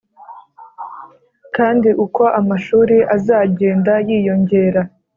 Kandi uko amashuri azagenda yiyongera